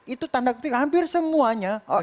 itu tanda ketika hampir semuanya